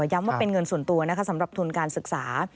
ย้ำว่าเป็นเงินส่วนตัวนะคะสำหรับทุนการศึกษา